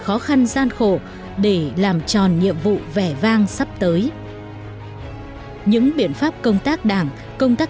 khó khăn gian khổ để làm tròn nhiệm vụ vẻ vang sắp tới những biện pháp công tác đảng công tác